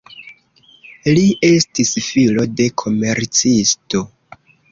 Li estis filo de komercisto.